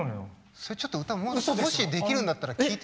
それちょっと歌もしできるんだったら聴いて。